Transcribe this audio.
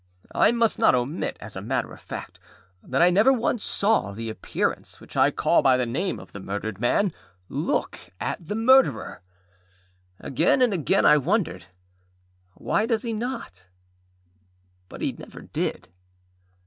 I must not omit, as a matter of fact, that I never once saw the Appearance which I call by the name of the murdered man look at the Murderer. Again and again I wondered, âWhy does he not?â But he never did.